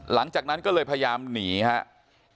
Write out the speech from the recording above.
หลังจากนั้นก็เลยพยายามหนีครับ